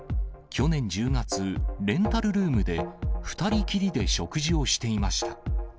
去年１０月、レンタルルームで、２人きりで食事をしていました。